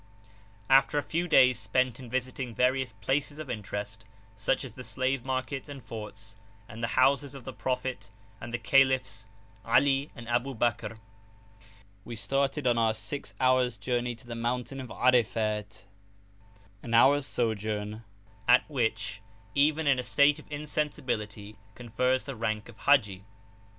After a few days spent in visiting various places of interest, such as the slave market and forts, and the houses of the Prophet and the Caliphs Ali and Abubakr, we started on our six hours journey to the mountain of Arifat, an hours sojourn at which, even in a state of insensibility, confers the rank of haji.